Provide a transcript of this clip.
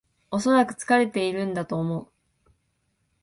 おそらく疲れてるんだと思う